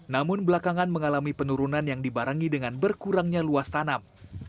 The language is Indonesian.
namun belakangan mengalami penurunan yang dibarengi dengan berkurangnya luas tanam